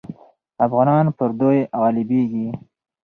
افغانان پر دوی غالبېږي.